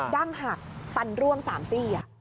ดั้งหักฟันร่วง๓ซี่